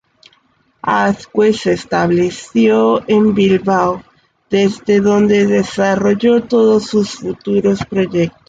Azkue se estableció en Bilbao, desde donde desarrolló todos sus futuros proyectos.